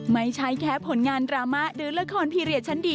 ไม่ใช่แค่ผลงานดราม่าหรือละครพีเรียชั้นดี